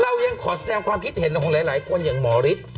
เรายังขอแสดงความคิดเห็นของหลายคนอย่างหมอฤทธิ์